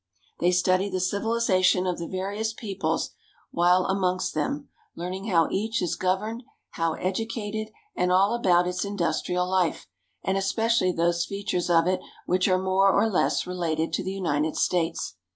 They study the civilization of the various peoples while amongst them, learning how each is gov erned, how educated, and all about its industrial life, and especially those features of it which are more or less related to the United States.